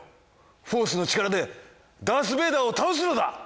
フォースの力でダース・ベイダーを倒すのだ！